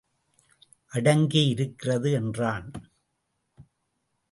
அடங்கி இருக்கிறது என்றான்.